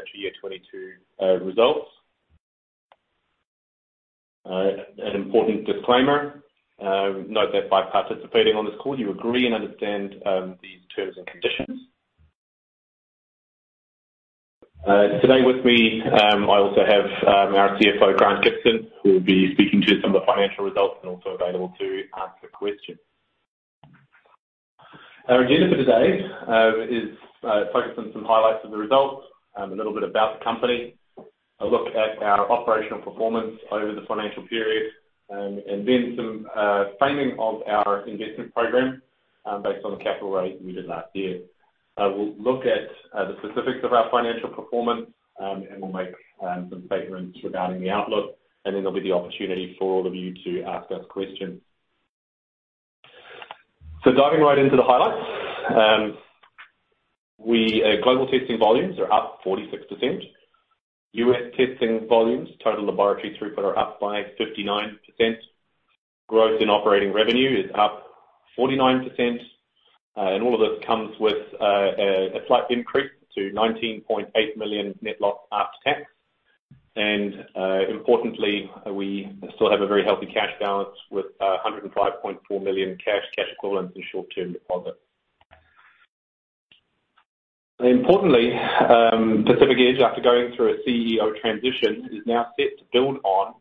Financial year 2022 results. An important disclaimer. Note that by participating on this call, you agree and understand these terms and conditions. Today with me, I also have our CFO, Grant Gibson, who will be speaking to some of the financial results and also available to ask questions. Our agenda for today is focused on some highlights of the results, a little bit about the company, a look at our operational performance over the financial period, and then some framing of our investment program, based on the capital raise we did last year. We'll look at the specifics of our financial performance, and we'll make some statements regarding the outlook, and then there'll be the opportunity for all of you to ask us questions. Diving right into the highlights. Global testing volumes are up 46%. U.S. testing volumes, total laboratory throughput are up by 59%. Growth in operating revenue is up 49%. All of this comes with a slight increase to 19.8 million net loss after tax. Importantly, we still have a very healthy cash balance with 105.4 million cash equivalents, and short-term deposits. Importantly, Pacific Edge, after going through a CEO transition, is now set to build on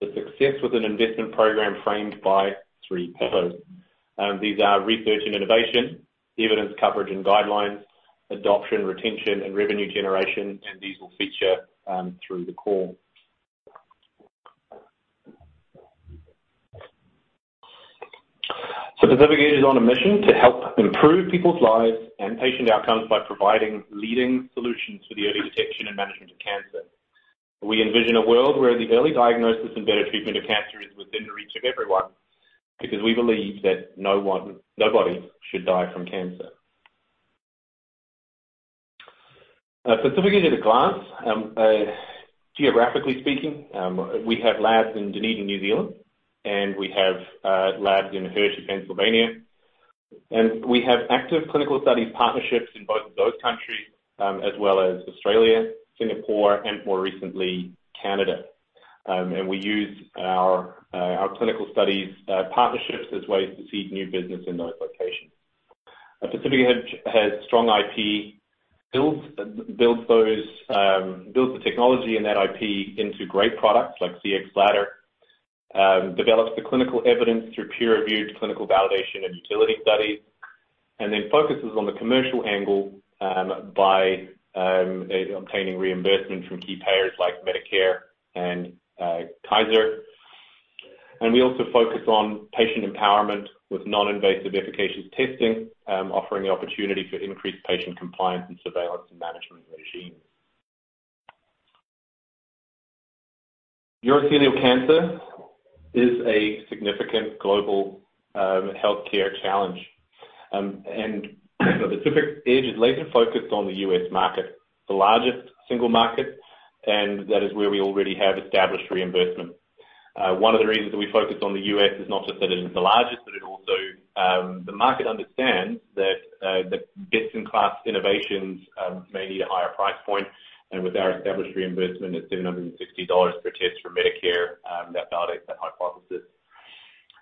the success with an investment program framed by three pillars. These are research and innovation, evidence coverage and guidelines, adoption, retention, and revenue generation, and these will feature through the call. Pacific Edge is on a mission to help improve people's lives and patient outcomes by providing leading solutions for the early detection and management of cancer. We envision a world where the early diagnosis and better treatment of cancer is within the reach of everyone, because we believe that nobody should die from cancer. Pacific Edge at a glance. Geographically speaking, we have labs in Dunedin, New Zealand, and we have labs in Hershey, Pennsylvania. We have active clinical study partnerships in both of those countries, as well as Australia, Singapore, and more recently, Canada. We use our clinical studies partnerships as ways to seed new business in those locations. Pacific Edge has strong IP, builds the technology and that IP into great products like develops the clinical evidence through peer-reviewed clinical validation and utility studies, and then focuses on the commercial angle by obtaining reimbursement from key payers like Medicare and Kaiser. We also focus on patient empowerment with non-invasive efficacious testing, offering the opportunity for increased patient compliance and surveillance in management regimes. Urothelial cancer is a significant global healthcare challenge. You know, Pacific Edge is laser-focused on the U.S. market, the largest single market, and that is where we already have established reimbursement. One of the reasons we focus on the U.S. is not just that it is the largest, but also the market understands that the best-in-class innovations may need a higher price point. With our established reimbursement at $760 per test for Medicare, that validates that hypothesis.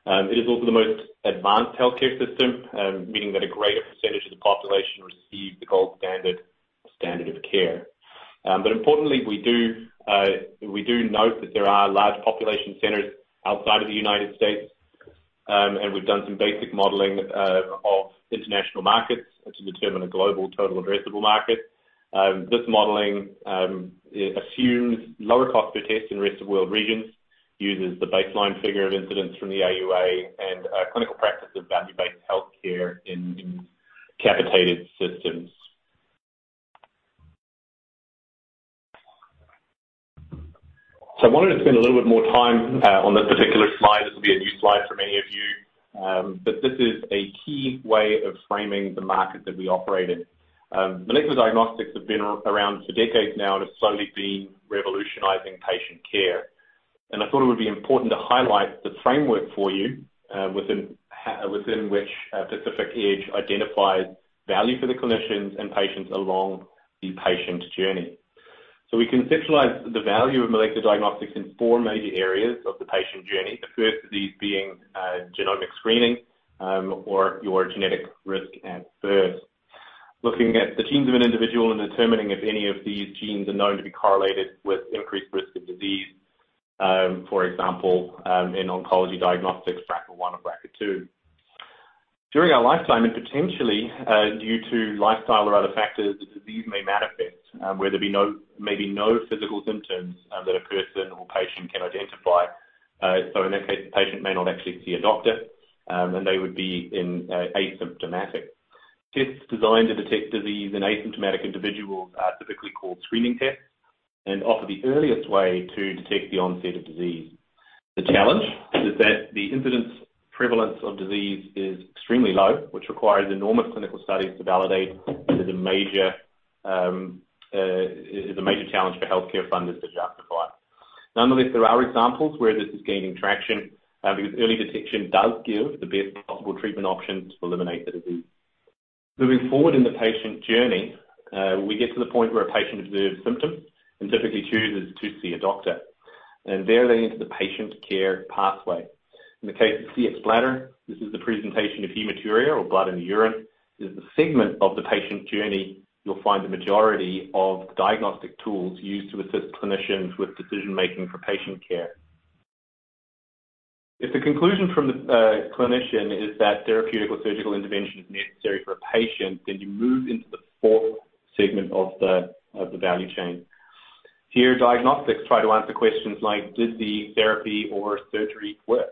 It is also the most advanced healthcare system, meaning that a greater percentage of the population receive the gold standard of care. But importantly, we note that there are large population centers outside of the United States, and we've done some basic modeling of international markets to determine a global total addressable market. This modeling assumes lower cost per test in rest of world regions, uses the baseline figure of incidence from the AUA and clinical practice of value-based healthcare in capitated systems. I wanted to spend a little bit more time on this particular slide. This will be a new slide for many of you. This is a key way of framing the market that we operate in. Molecular diagnostics have been around for decades now, and have slowly been revolutionizing patient care. I thought it would be important to highlight the framework for you, within which Pacific Edge identifies value for the clinicians and patients along the patient journey. We conceptualize the value of molecular diagnostics in four major areas of the patient journey. The first of these being genomic screening, or your genetic risk at birth. Looking at the genes of an individual and determining if any of these genes are known to be correlated with increased risk of disease, for example, in oncology diagnostics, BRCA1 or BRCA2. During our lifetime, and potentially, due to lifestyle or other factors, the disease may manifest, where may be no physical symptoms, that a person or patient can identify. In that case, the patient may not actually see a doctor, and they would be in asymptomatic. Tests designed to detect disease in asymptomatic individuals are typically called screening tests and offer the earliest way to detect the onset of disease. The challenge is that the incidence prevalence of disease is extremely low, which requires enormous clinical studies to validate. This is a major challenge for healthcare funders to justify. Nonetheless, there are examples where this is gaining traction, because early detection does give the best possible treatment options to eliminate the disease. Moving forward in the patient journey, we get to the point where a patient observes symptoms and typically chooses to see a doctor, and there they enter the patient care pathway. In the case of Cxbladder, this is the presentation of hematuria or blood in the urine. This is the segment of the patient journey you'll find the majority of diagnostic tools used to assist clinicians with decision-making for patient care. If the conclusion from the clinician is that therapeutic or surgical intervention is necessary for a patient, then you move into the fourth segment of the value chain. Here, diagnostics try to answer questions like, did the therapy or surgery work?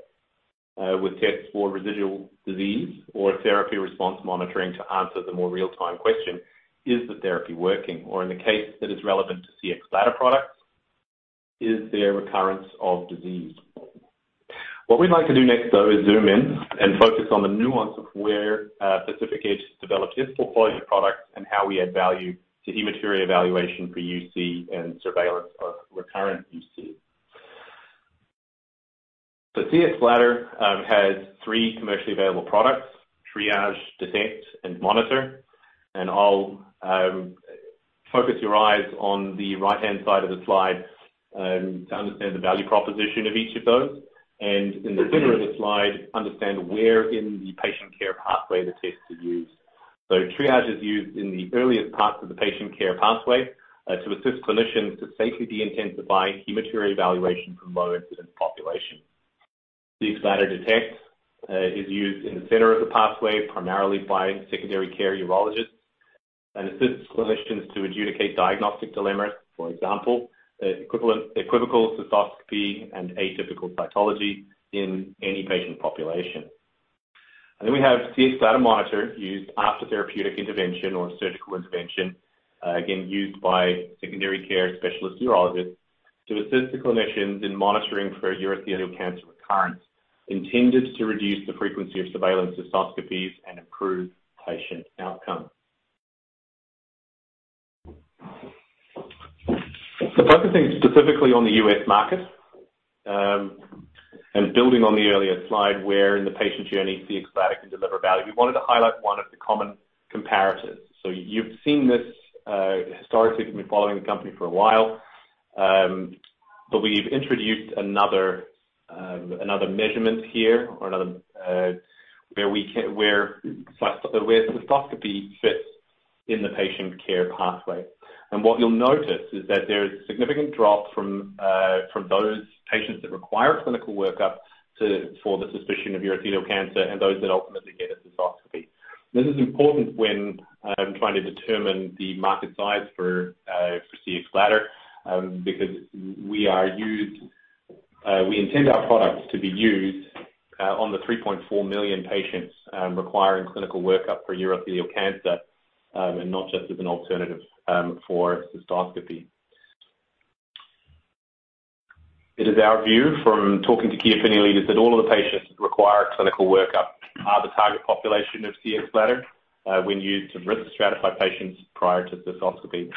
With tests for residual disease or therapy response monitoring to answer the more real-time question, is the therapy working? In the case that is relevant to Cxbladder products, is there recurrence of disease? What we'd like to do next, though, is zoom in and focus on the nuance of where Pacific Edge has developed its portfolio of products and how we add value to hematuria evaluation for UC and surveillance of recurrent UC. Cxbladder has three commercially available products, Triage, Detect, and Monitor. I'll focus your eyes on the right-hand side of the slide to understand the value proposition of each of those. In the center of the slide, understand where in the patient care pathway the tests are used. Triage is used in the earliest parts of the patient care pathway to assist clinicians to safely de-intensify hematuria evaluation from low-incidence population. Cxbladder Detect is used in the center of the pathway, primarily by secondary care urologists, and assists clinicians to adjudicate diagnostic dilemmas, for example, equivocal cystoscopy and atypical cytology in any patient population. Then we have Cxbladder Monitor used after therapeutic intervention or surgical intervention, again, used by secondary care specialist urologists to assist the clinicians in monitoring for urothelial cancer recurrence, intended to reduce the frequency of surveillance cystoscopies and improve patient outcome. Focusing specifically on the U.S. market, and building on the earlier slide where in the patient journey Cxbladder can deliver value, we wanted to highlight one of the common comparators. You've seen this, historically if you've been following the company for a while. We've introduced another measurement here or another where cystoscopy fits in the patient care pathway. What you'll notice is that there is significant drop from those patients that require clinical workup for the suspicion of urothelial cancer and those that ultimately get a cystoscopy. This is important when trying to determine the market size for Cxbladder, because we intend our products to be used on the 3.4 million patients requiring clinical workup for urothelial cancer, and not just as an alternative for cystoscopy. It is our view from talking to key opinion leaders that all of the patients require a clinical workup are the target population of Cxbladder when used to risk stratify patients prior to cystoscopy.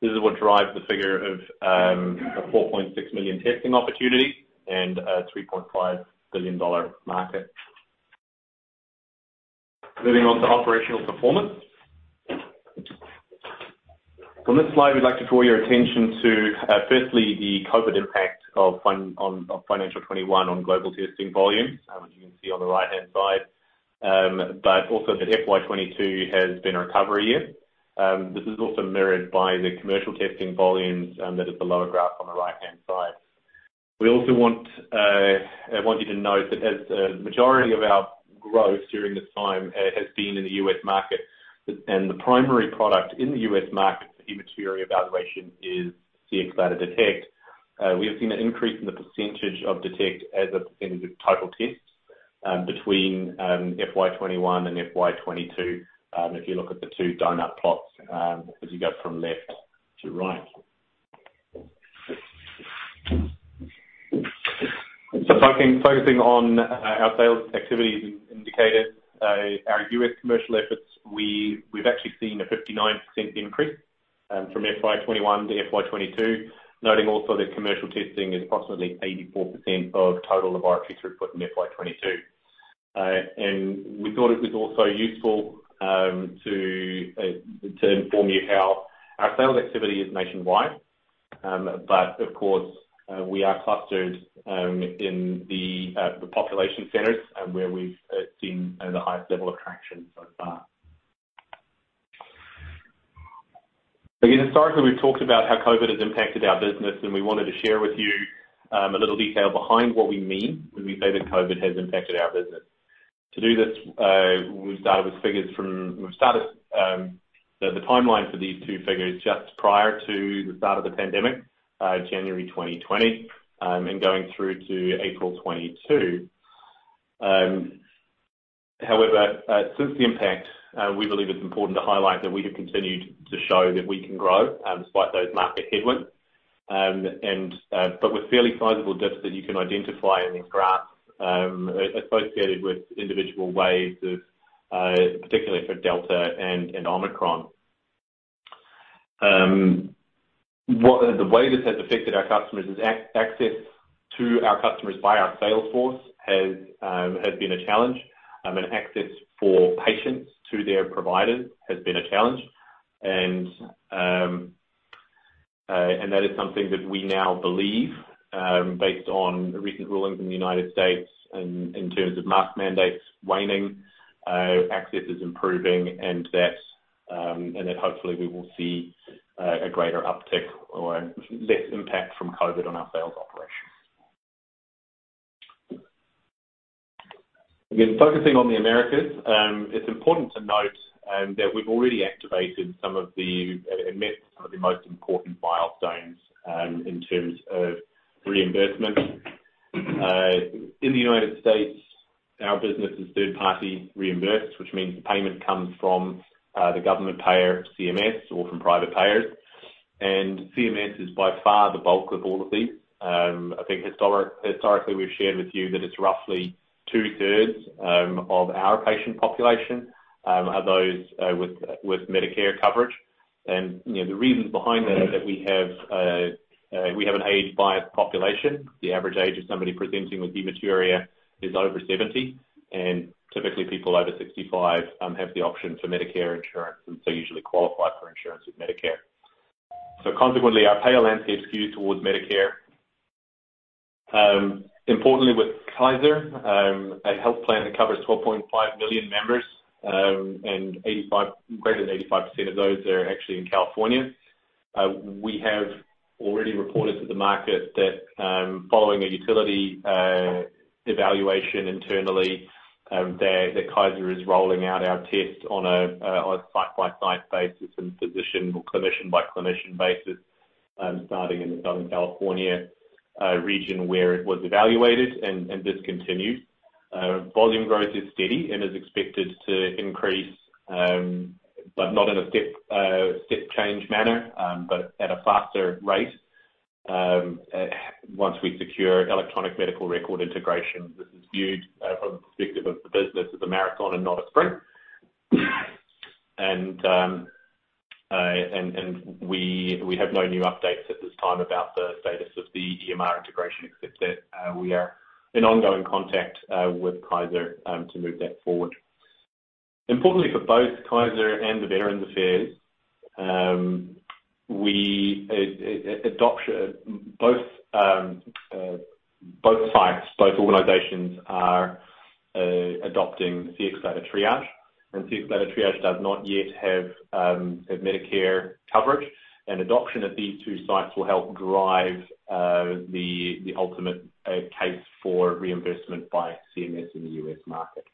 This is what drives the figure of a 4.6 million testing opportunity and a $3.5 billion market. Moving on to operational performance. On this slide, we'd like to draw your attention to firstly, the COVID impact on FY 2021 on global testing volumes, which you can see on the right-hand side. FY 2022 has been a recovery year. This is also mirrored by the commercial testing volumes, that is the lower graph on the right-hand side. We also want, I want you to note that as the majority of our growth during this time has been in the U.S. market, and the primary product in the U.S. market for hematuria evaluation is Cxbladder Detect. We have seen an increase in the percentage of Detect as a percentage of total tests between FY 2021 and FY 2022 if you look at the two donut plots as you go from left to right. Focusing on our sales activities indicated our U.S. commercial efforts. We've actually seen a 59% increase from FY 2021 to FY 2022. Noting also that commercial testing is approximately 84% of total laboratory throughput in FY 2022. We thought it was also useful to inform you how our sales activity is nationwide. Of course we are clustered in the population centers and where we've seen the highest level of traction so far. Again, historically, we've talked about how COVID has impacted our business, and we wanted to share with you a little detail behind what we mean when we say that COVID has impacted our business. To do this, we've started the timeline for these two figures just prior to the start of the pandemic, January 2020, and going through to April 2022. However, since the impact, we believe it's important to highlight that we can grow despite those market headwinds. With fairly sizable dips that you can identify in these graphs, associated with individual waves of, particularly for Delta and Omicron, the way this has affected our customers is access to our customers by our sales force has been a challenge, and access for patients to their providers has been a challenge. That is something that we now believe, based on recent rulings in the United States in terms of mask mandates waning, access is improving and that hopefully we will see a greater uptick or less impact from COVID on our sales operations. Again, focusing on the Americas, it's important to note that we've already activated some of the and met some of the most important milestones in terms of reimbursement. In the United States, our business is third-party reimbursed, which means the payment comes from the government payer, CMS, or from private payers. CMS is by far the bulk of all of these. I think historically, we've shared with you that it's roughly two-thirds of our patient population are those with Medicare coverage. You know, the reasons behind that are that we have an age-biased population. The average age of somebody presenting with hematuria is over 70, and typically people over 65 have the option for Medicare insurance, and so usually qualify for insurance with Medicare. Consequently, our payer landscape skews towards Medicare. Importantly with Kaiser, a health plan that covers 12.5 million members, and greater than 85% of those are actually in California. We have already reported to the market that, following a utility evaluation internally, that Kaiser is rolling out our test on a site-by-site basis and physician or clinician-by-clinician basis, starting in the Southern California region where it was evaluated and discontinued. Volume growth is steady and is expected to increase, but not in a step change manner, but at a faster rate, once we secure electronic medical record integration. This is viewed from the perspective of the business as a marathon and not a sprint. We have no new updates at this time about the status of the EMR integration, except that we are in ongoing contact with Kaiser to move that forward. Importantly for both Kaiser and the Veterans Affairs, both sites, both organizations are adopting Cxbladder Triage, and Cxbladder Triage does not yet have Medicare coverage. Adoption at these two sites will help drive the ultimate case for reimbursement by CMS in the U.S. market.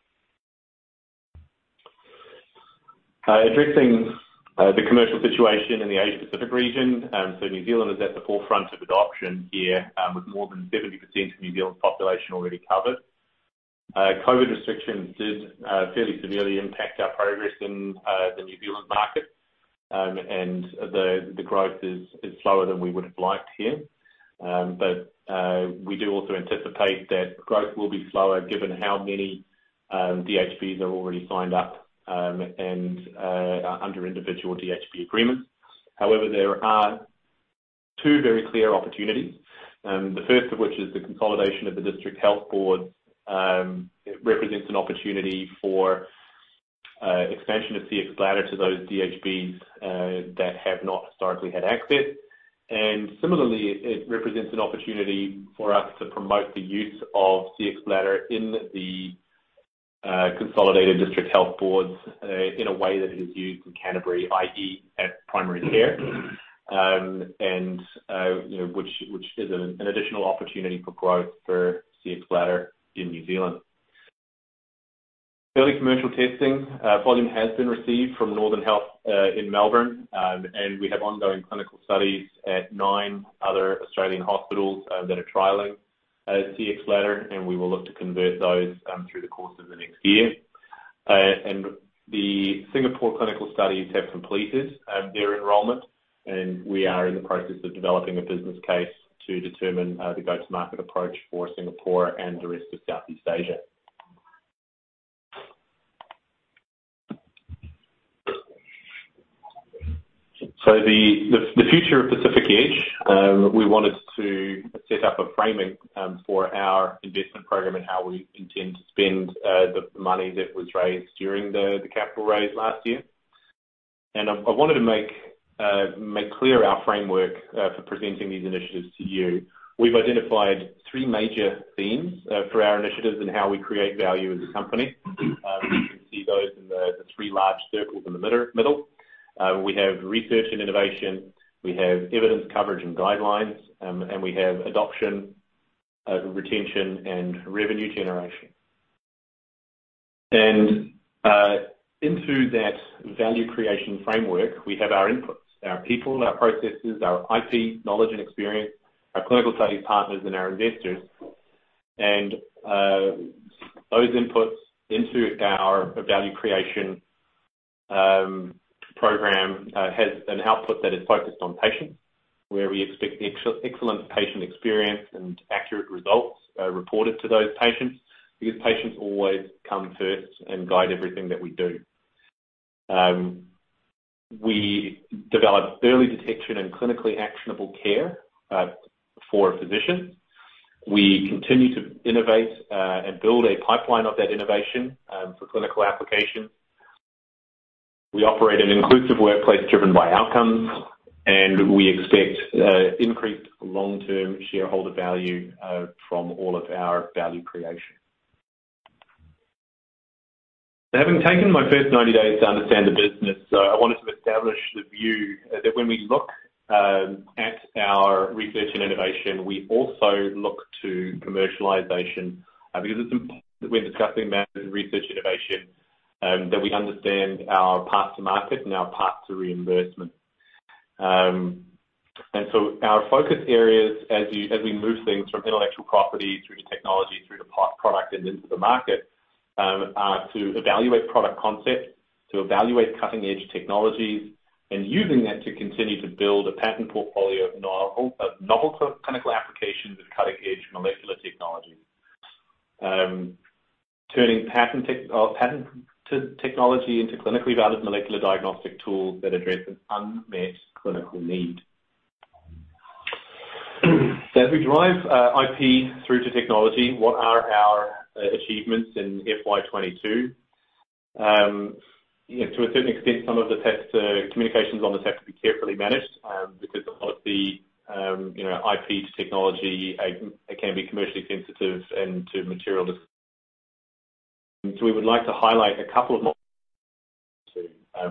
Addressing the commercial situation in the Asia Pacific region. New Zealand is at the forefront of adoption here, with more than 70% of New Zealand's population already covered. COVID restrictions did fairly severely impact our progress in the New Zealand market. The growth is slower than we would have liked here. We do also anticipate that growth will be slower given how many DHBs are already signed up and are under individual DHB agreements. However, there are two very clear opportunities, the first of which is the consolidation of the District Health Boards. It represents an opportunity for expansion of Cxbladder to those DHBs that have not historically had access. Similarly, it represents an opportunity for us to promote the use of Cxbladder in the consolidated District Health Boards in a way that it is used in Canterbury, i.e., at primary care. You know, which is an additional opportunity for growth for Cxbladder in New Zealand. Early commercial testing volume has been received from Northern Health in Melbourne, and we have ongoing clinical studies at nine other Australian hospitals that are trialing Cxbladder, and we will look to convert those through the course of the next year. The Singapore clinical studies have completed their enrollment, and we are in the process of developing a business case to determine the go-to-market approach for Singapore and the rest of Southeast Asia. The future of Pacific Edge, we wanted to set up a framing for our investment program and how we intend to spend the money that was raised during the capital raise last year. I wanted to make clear our framework for presenting these initiatives to you. We've identified three major themes for our initiatives and how we create value as a company. You can see those in the three large circles in the middle. We have research and innovation, we have evidence coverage and guidelines, and we have adoption, retention, and revenue generation. Into that value creation framework, we have our inputs, our people, our processes, our IT, knowledge and experience, our clinical studies partners, and our investors. Those inputs into our value creation program has an output that is focused on patients. Where we expect excellent patient experience and accurate results reported to those patients because patients always come first and guide everything that we do. We develop early detection and clinically actionable care for a physician. We continue to innovate and build a pipeline of that innovation for clinical application. We operate an inclusive workplace driven by outcomes, and we expect increased long-term shareholder value from all of our value creation. Having taken my first 90 days to understand the business, I wanted to establish the view that when we look at our research and innovation, we also look to commercialization because it's important that we're discussing research innovation that we understand our path to market and our path to reimbursement. Our focus areas as we move things from intellectual property through to technology, through to product and into the market are to evaluate product concept, to evaluate cutting-edge technologies, and using that to continue to build a patent portfolio of novel clinical applications with cutting-edge molecular technology. Turning patent technology into clinically valid molecular diagnostic tools that address an unmet clinical need. As we drive IP through to technology, what are our achievements in FY 2022? To a certain extent, some of the tests communications on the test have to be carefully managed, because a lot of the, you know, IP to technology, it can be commercially sensitive and too material. We would like to highlight a couple of more.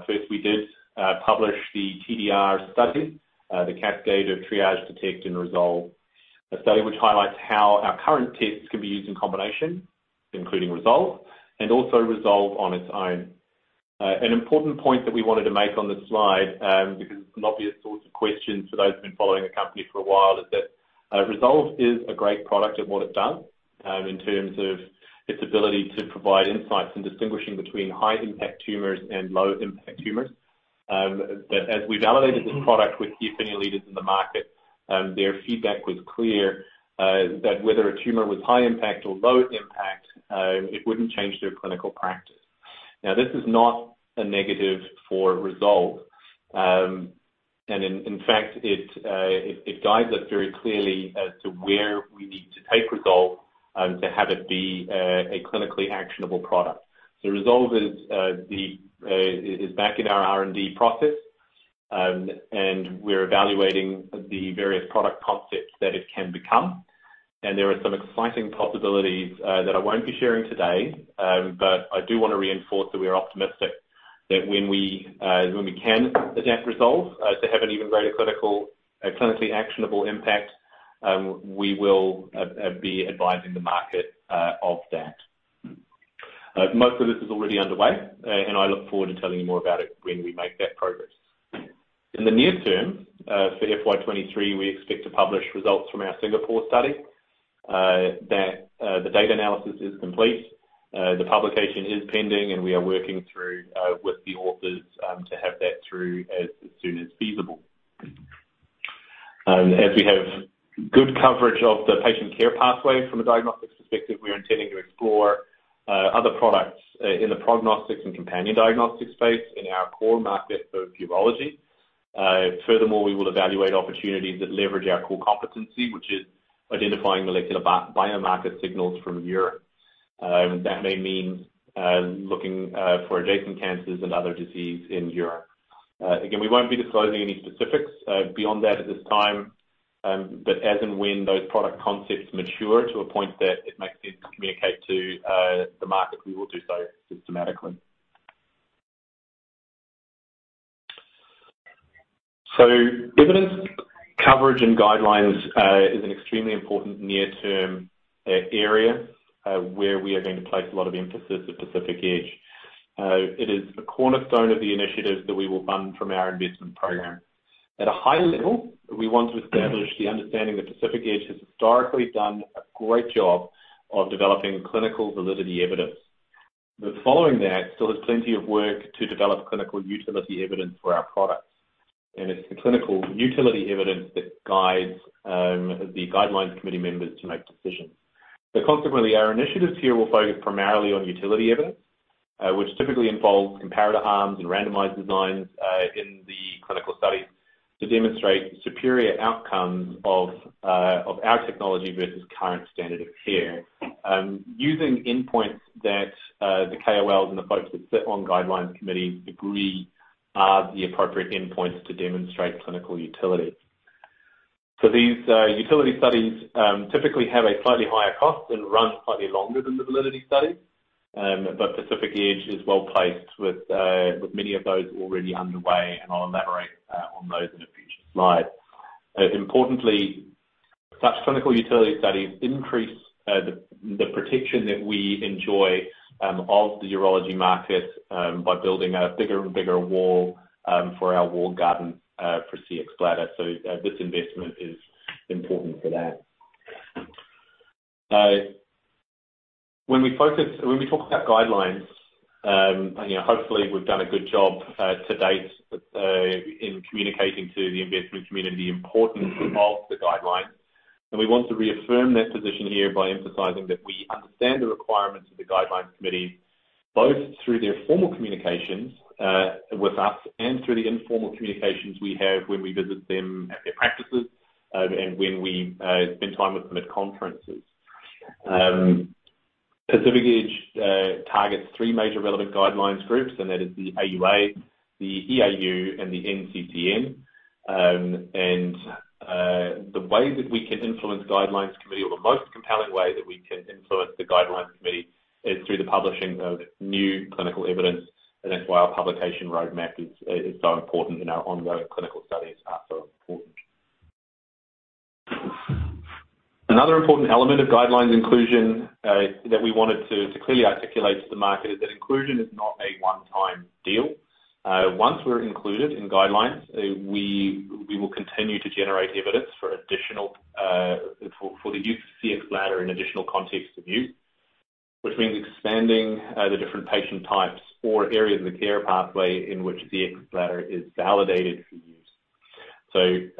First, we did publish the TDR study, the Cascade of Triage Detect and Resolve, a study which highlights how our current tests can be used in combination, including Resolve, and also Resolve on its own. An important point that we wanted to make on this slide, because it's an obvious source of question for those who've been following the company for a while, is that Resolve is a great product at what it does, in terms of its ability to provide insights in distinguishing between high-impact tumors and low-impact tumors. As we validated this product with the opinion leaders in the market, their feedback was clear, that whether a tumor was high impact or low impact, it wouldn't change their clinical practice. Now, this is not a negative for Resolve. In fact, it guides us very clearly as to where we need to take Resolve, to have it be a clinically actionable product. Resolve is back in our R&D process, and we're evaluating the various product concepts that it can become. There are some exciting possibilities that I won't be sharing today, but I do want to reinforce that we are optimistic that when we can adapt Resolve to have an even greater clinically actionable impact, we will be advising the market of that. Most of this is already underway, and I look forward to telling you more about it when we make that progress. In the near term, for FY 2023, we expect to publish results from our Singapore study that the data analysis is complete. The publication is pending, and we are working through with the authors to have that through as soon as feasible. As we have good coverage of the patient care pathway from a diagnostics perspective, we are intending to explore other products in the prognostics and companion diagnostic space in our core market for urology. Furthermore, we will evaluate opportunities that leverage our core competency, which is identifying molecular biomarker signals from urine. That may mean looking for adjacent cancers and other disease in urine. Again, we won't be disclosing any specifics beyond that at this time, but as and when those product concepts mature to a point that it makes sense to communicate to the market, we will do so systematically. Evidence coverage and guidelines is an extremely important near-term area where we are going to place a lot of emphasis at Pacific Edge. It is a cornerstone of the initiatives that we will fund from our investment program. At a high level, we want to establish the understanding that Pacific Edge has historically done a great job of developing clinical validity evidence. Following that, still has plenty of work to develop clinical utility evidence for our products. It's the clinical utility evidence that guides the guidelines committee members to make decisions. Consequently, our initiatives here will focus primarily on utility evidence, which typically involves comparator arms and randomized designs in the clinical studies to demonstrate superior outcomes of our technology versus current standard of care, using endpoints that the KOLs and the folks that sit on guidelines committees agree are the appropriate endpoints to demonstrate clinical utility. These utility studies typically have a slightly higher cost and run slightly longer than the validity studies, but Pacific Edge is well-placed with many of those already underway, and I'll elaborate on those in a future slide. Importantly, such clinical utility studies increase the protection that we enjoy of the urology market by building a bigger and bigger wall for our walled garden for Cxbladder. This investment is important for that. When we talk about guidelines, you know, hopefully, we've done a good job to date in communicating to the investment community the importance of the guidelines. We want to reaffirm that position here by emphasizing that we understand the requirements of the guidelines committee, both through their formal communications with us and through the informal communications we have when we visit them at their practices, and when we spend time with them at conferences. Pacific Edge targets three major relevant guidelines groups, and that is the AUA, the EAU, and the NCCN. The way that we can influence guidelines committee or the most compelling way that we can influence the guidelines committee is through the publishing of new clinical evidence, and that's why our publication roadmap is so important, and our ongoing clinical studies are so important. Another important element of guidelines inclusion that we wanted to clearly articulate to the market is that inclusion is not a one-time deal. Once we're included in guidelines, we will continue to generate evidence for additional for the use of Cxbladder in additional contexts of use, which means expanding the different patient types or areas of the care pathway in which Cxbladder is validated for use.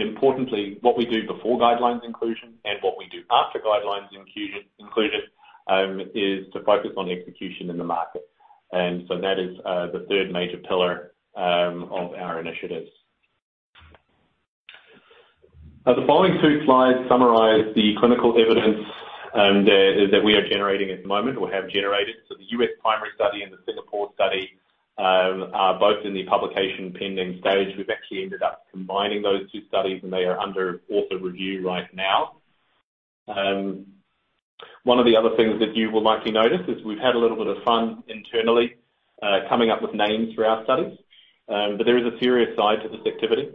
Importantly, what we do before guidelines inclusion and what we do after guidelines inclusion is to focus on execution in the market. That is the third major pillar of our initiatives. Now, the following two slides summarize the clinical evidence that we are generating at the moment or have generated. The U.S. primary study and the Singapore study are both in the publication pending stage. We've actually ended up combining those two studies, and they are under author review right now. One of the other things that you will likely notice is we've had a little bit of fun internally, coming up with names for our studies. There is a serious side to this activity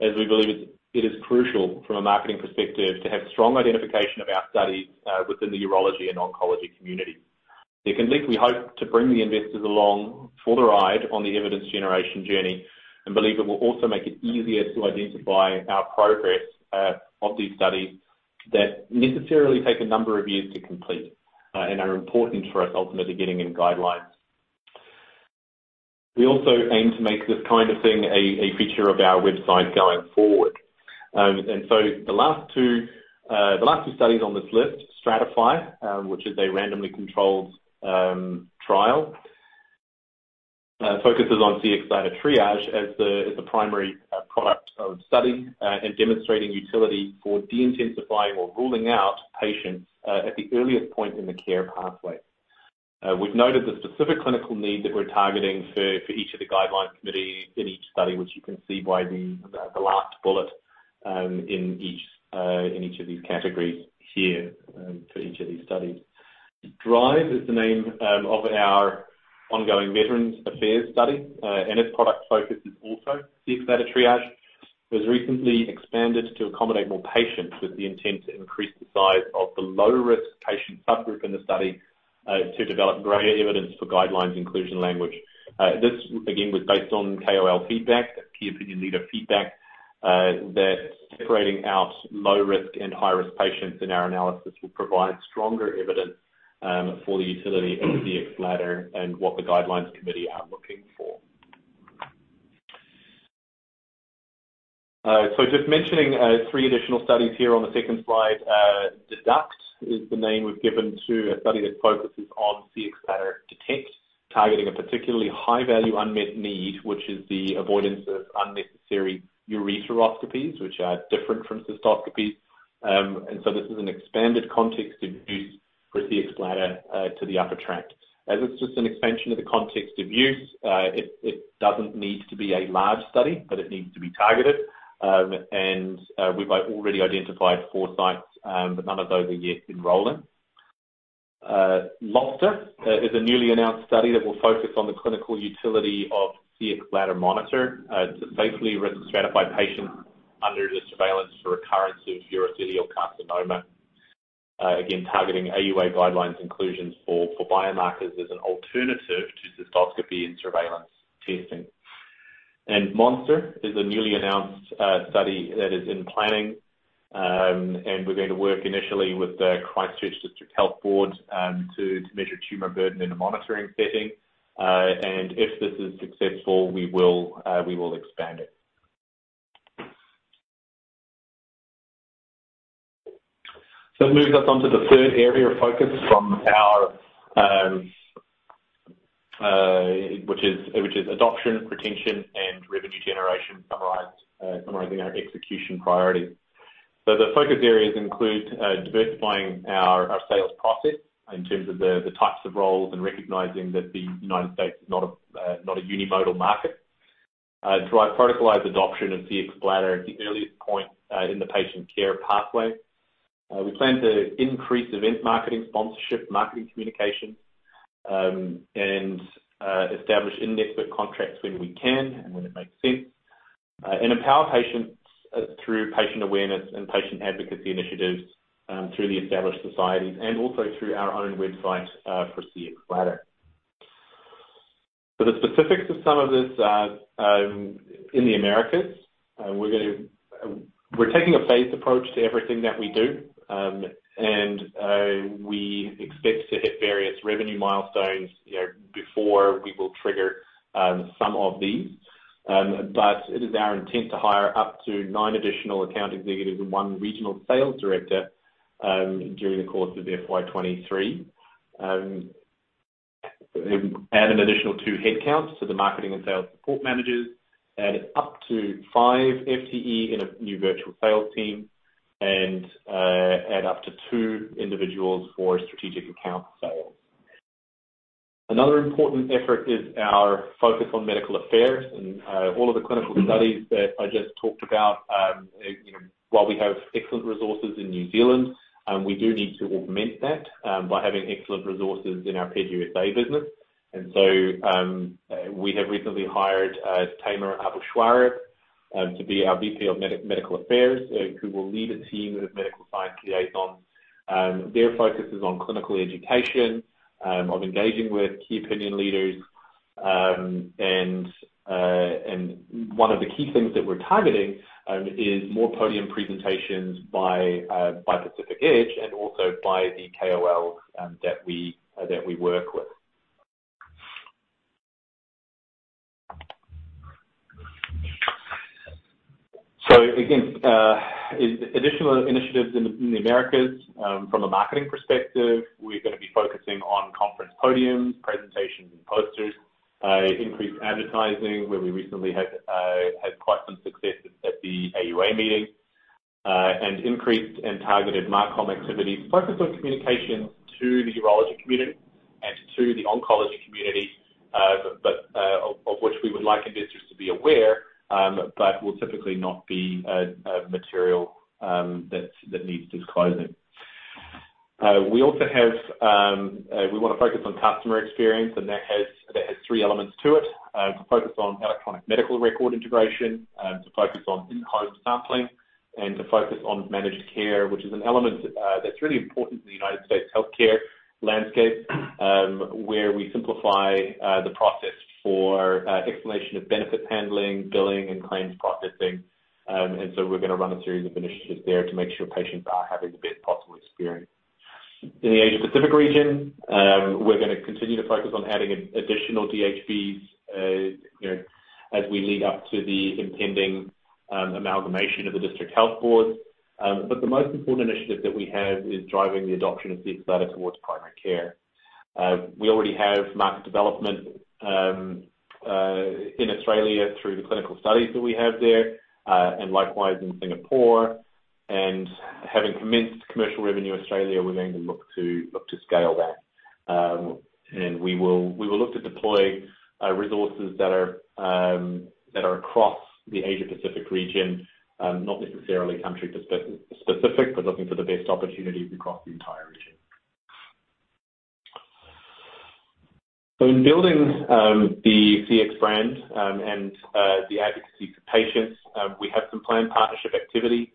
as we believe it is crucial from a marketing perspective to have strong identification of our studies within the urology and oncology community. We can link, we hope, to bring the investors along for the ride on the evidence generation journey and believe it will also make it easier to identify our progress of these studies that necessarily take a number of years to complete, and are important for us ultimately getting in guidelines. We also aim to make this kind of thing a feature of our website going forward. The last two studies on this list, STRATA, which is a randomized controlled trial, focuses on Cxbladder Triage as the primary product of study, and demonstrating utility for de-intensifying or ruling out patients at the earliest point in the care pathway. We've noted the specific clinical need that we're targeting for each of the guideline committees in each study, which you can see by the last bullet in each of these categories here for each of these studies. DRIVE is the name of our ongoing Department of Veterans Affairs study, and its product focus is also Cxbladder Triage. It was recently expanded to accommodate more patients with the intent to increase the size of the low-risk patient subgroup in the study, to develop greater evidence for guidelines inclusion language. This, again, was based on KOL feedback, key opinion leader feedback, that separating out low-risk and high-risk patients in our analysis will provide stronger evidence, for the utility of Cxbladder and what the guidelines committee are looking for. Just mentioning, three additional studies here on the second slide. DEDUCT is the name we've given to a study that focuses on Cxbladder Detect, targeting a particularly high-value unmet need, which is the avoidance of unnecessary ureteroscopies, which are different from cystoscopies. This is an expanded context of use for Cxbladder, to the upper tract. As it's just an expansion of the context of use, it doesn't need to be a large study, but it needs to be targeted. We've already identified four sites, but none of those are yet enrolling. LOBSTER is a newly announced study that will focus on the clinical utility of Cxbladder Monitor to safely risk stratify patients under the surveillance for recurrence of urothelial carcinoma. Again, targeting AUA guidelines inclusions for biomarkers as an alternative to cystoscopy and surveillance testing. MONSTER is a newly announced study that is in planning, and we're going to work initially with the Canterbury District Health Board to measure tumor burden in a monitoring setting. If this is successful, we will expand it. That moves us on to the third area of focus, which is adoption, retention, and revenue generation, summarizing our execution priorities. The focus areas include diversifying our sales process in terms of the types of roles and recognizing that the United States is not a unimodal market. Drive protocolized adoption of Cxbladder at the earliest point in the patient care pathway. We plan to increase event marketing sponsorship, marketing communication, and establish indexed contracts when we can and when it makes sense. Empower patients through patient awareness and patient advocacy initiatives through the established societies and also through our own website for Cxbladder. For the specifics of some of this in the Americas, we're taking a phased approach to everything that we do. We expect to hit various revenue milestones, you know, before we will trigger some of these. It is our intent to hire up to nine additional account executives and one regional sales director during the course of FY 2023. Add an additional two headcounts to the marketing and sales support managers. Add up to five FTE in a new virtual sales team, and add up to two individuals for strategic account sales. Another important effort is our focus on medical affairs and all of the clinical studies that I just talked about, you know, while we have excellent resources in New Zealand, we do need to augment that by having excellent resources in our paid USA business. We have recently hired Tamer Aboushwareb to be our VP of medical affairs, who will lead a team of medical science liaisons. Their focus is on clinical education of engaging with key opinion leaders. One of the key things that we're targeting is more podium presentations by Pacific Edge and also by the KOLs that we work with. In additional initiatives in the Americas, from a marketing perspective, we're going to be focusing on conference podium presentations and posters. Increase advertising, where we recently had quite some success at the AUA meeting. Increased and targeted MarCom activities. Focus on communication to the urology community and to the oncology community, but of which we would like investors to be aware, but will typically not be a material that needs disclosing. We want to focus on customer experience, and that has three elements to it. To focus on electronic medical record integration, to focus on in-home sampling and to focus on managed care, which is an element that's really important in the United States healthcare landscape, where we simplify the process for explanation of benefits handling, billing and claims processing. We're going to run a series of initiatives there to make sure patients are having the best possible experience. In the Asia Pacific region, we're going to continue to focus on adding additional DHBs, you know, as we lead up to the impending amalgamation of the District Health Board. The most important initiative that we have is driving the adoption of the Cxbladder towards primary care. We already have market development in Australia through the clinical studies that we have there. Likewise in Singapore. Having commenced commercial revenue in Australia, we're going to look to scale that. We will look to deploy resources that are across the Asia Pacific region, not necessarily country specific, but looking for the best opportunities across the entire region. In building the Cxbladder brand and the advocacy for patients, we have some planned partnership activity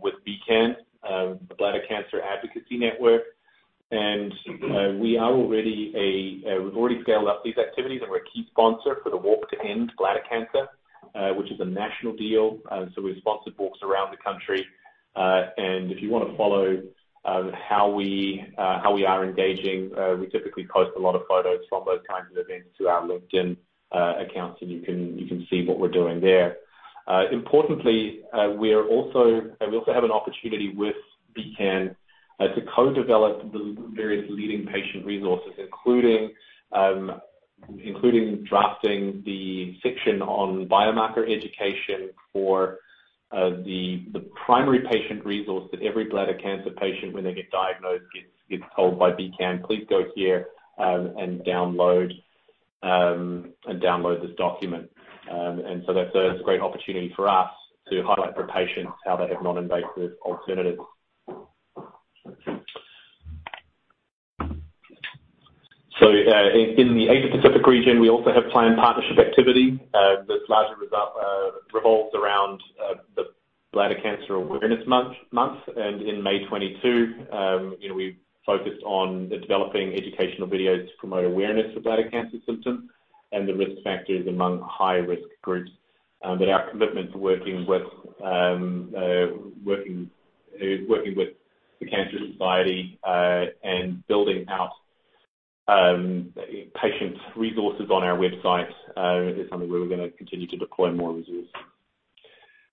with BCAN, the Bladder Cancer Advocacy Network. We've already scaled up these activities, and we're a key sponsor for the Walk to End Bladder Cancer, which is a national deal. We sponsored walks around the country. If you want to follow how we are engaging, we typically post a lot of photos from those kinds of events to our LinkedIn accounts, and you can see what we're doing there. Importantly, we also have an opportunity with BCAN to co-develop the various leading patient resources, including drafting the section on biomarker education for the primary patient resource that every bladder cancer patient when they get diagnosed gets told by BCAN, "Please go here and download this document." That's a great opportunity for us to highlight for patients how they have non-invasive alternatives. In the Asia Pacific region, we also have planned partnership activity that largely revolves around the Bladder Cancer Awareness Month. In May 2022, you know, we've focused on developing educational videos to promote awareness of bladder cancer symptoms and the risk factors among high-risk groups. But our commitment to working with the Cancer Society and building out patient resources on our website is something where we're going to continue to deploy more resources.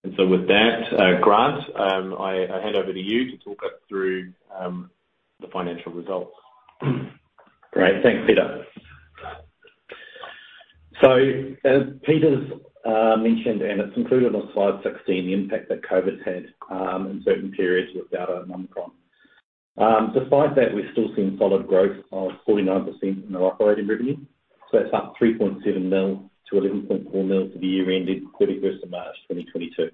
With that, Grant, I hand over to you to talk us through the financial results. Great. Thanks, Peter. As Peter has mentioned, it's included on slide 16, the impact that COVID's had in certain periods with Delta and Omicron. Despite that, we've still seen solid growth of 49% in our operating revenue. That's up 3.7 million to 11.4 million for the year ending 31st of March 2022.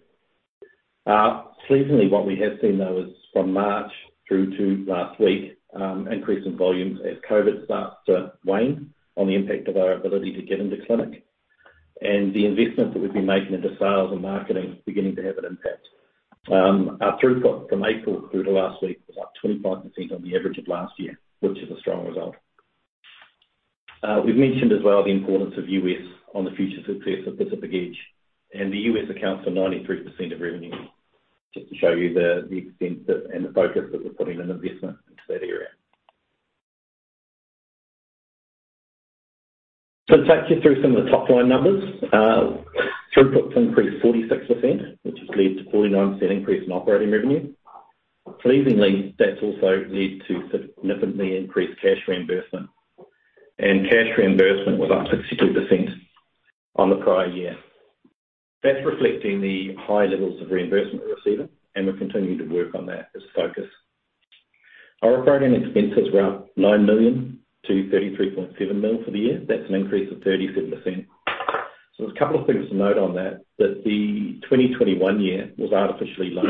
Seasonally, what we have seen, though, is from March through to last week, increase in volumes as COVID starts to wane and the impact of our ability to get into clinics. The investment that we've been making into sales and marketing is beginning to have an impact. Our throughput from April through to last week was up 25% on the average of last year, which is a strong result. We've mentioned as well the importance of U.S. on the future success of Pacific Edge, and the U.S. accounts for 93% of revenue, just to show you the extent that, and the focus that we're putting in investment into that area. Take you through some of the top line numbers. Throughput's increased 46%, which has led to 49% increase in operating revenue. Pleasingly, that's also led to significantly increased cash reimbursement. Cash reimbursement was up 62% on the prior year. That's reflecting the high levels of reimbursement we're receiving, and we're continuing to work on that as focus. Our operating expenses were up 9 million-33.7 million for the year. That's an increase of 37%. There's a couple of things to note on that the 2021 year was artificially low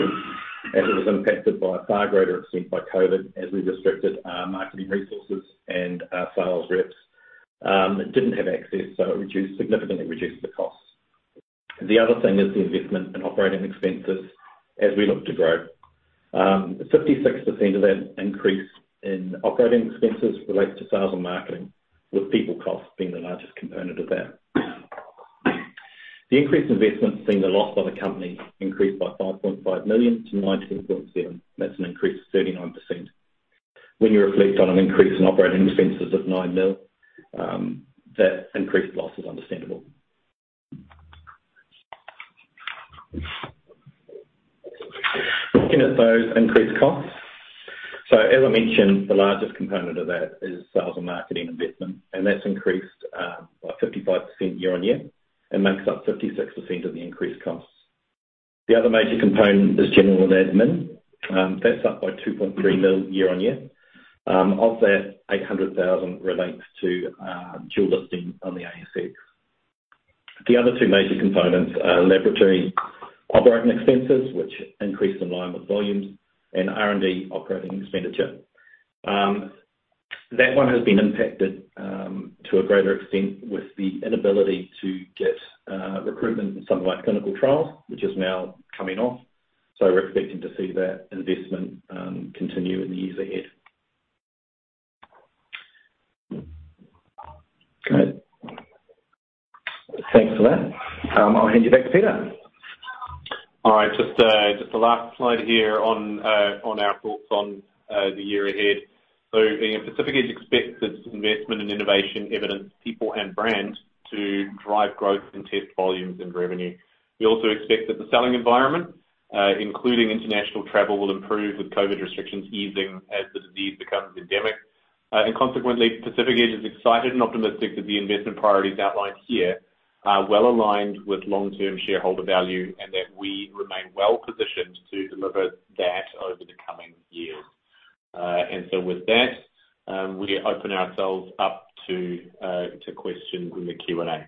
as it was impacted by a far greater extent by COVID as we restricted our marketing resources and our sales reps didn't have access, so it significantly reduced the costs. The other thing is the investment in operating expenses as we look to grow. 56% of that increase in operating expenses relates to sales and marketing, with people costs being the largest component of that. The increased investment has seen the loss of the company increase by 5.5 million-19.7 million. That's an increase of 39%. When you reflect on an increase in operating expenses of 9 million, that increased loss is understandable. Looking at those increased costs. As I mentioned, the largest component of that is sales and marketing investment, and that's increased by 55% year-on-year and makes up 56% of the increased costs. The other major component is general and admin. That's up by 2.3 million year-on-year. Of that, 800,000 relates to dual listing on the ASX. The other two major components are laboratory operating expenses, which increase in line with volumes and R&D operating expenditure. That one has been impacted to a greater extent with the inability to get recruitment in some of our clinical trials, which is now coming off. We're expecting to see that investment continue in the years ahead. Great. Thanks for that. I'll hand you back to Peter. All right. Just the last slide here on our thoughts on the year ahead. You know, Pacific Edge expects its investment in innovation, evidence, people, and brand to drive growth in test volumes and revenue. We also expect that the selling environment, including international travel, will improve with COVID restrictions easing as the disease becomes endemic. Consequently, Pacific Edge is excited and optimistic that the investment priorities outlined here are well-aligned with long-term shareholder value and that we remain well-positioned to deliver that over the coming years. With that, we open ourselves up to questions in the Q&A.